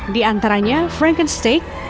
di antaranya frankensteak